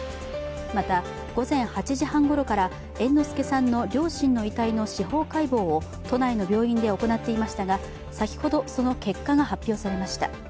また、午前８時半ごろから猿之助さんの両親の遺体の司法解剖を都内の病院で行っていましたが先ほどその結果が発表されました。